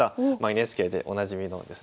ＮＨＫでおなじみのですね。